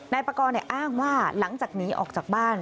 นายปากรอ้างว่าหลังจากหนีออกจากบ้าน